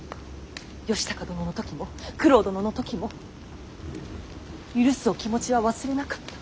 義高殿の時も九郎殿の時も許すお気持ちは忘れなかった。